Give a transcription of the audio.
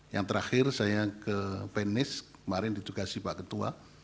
yang terakhir saya ke penis kemarin ditugasi pak ketua